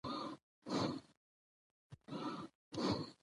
مېلې د ټولني د پرمختګ یوه غیري مستقیمه وسیله ده.